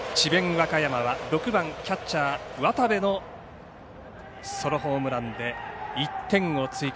和歌山は６番キャッチャー渡部のソロホームランで１点を追加。